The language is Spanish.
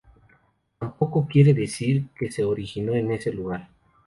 Tampoco quiere decir que se originó en ese lugar.